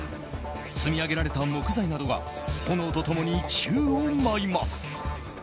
積み上げられた木材などが炎と共に宙を舞います。